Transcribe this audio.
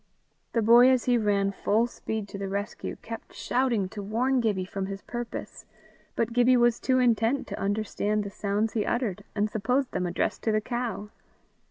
The boy as he ran full speed to the rescue, kept shouting to warn Gibbie from his purpose, but Gibbie was too intent to understand the sounds he uttered, and supposed them addressed to the cow.